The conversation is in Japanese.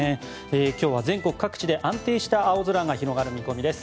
今日は全国各地で安定した青空が広がる見込みです。